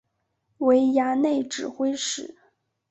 为衙内指挥使。